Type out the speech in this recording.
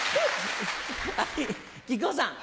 木久扇さん。